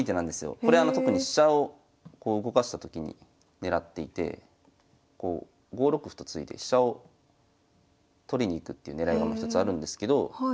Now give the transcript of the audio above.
これあの特に飛車をこう動かしたときに狙っていて５六歩と突いて飛車を取りに行くっていう狙いがもう一つあるんですけど